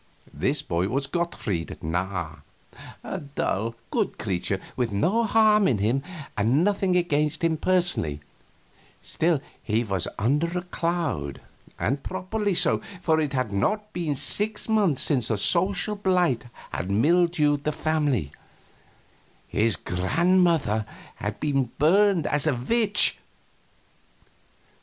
This boy was Gottfried Narr, a dull, good creature, with no harm in him and nothing against him personally; still, he was under a cloud, and properly so, for it had not been six months since a social blight had mildewed the family his grandmother had been burned as a witch.